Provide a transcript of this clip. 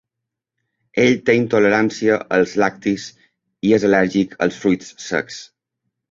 Ell té intolerància als lactis i és al·lèrgic als fruits secs.